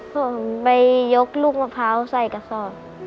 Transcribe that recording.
ผมไปยกลูกมะพร้าวใส่กระสอบ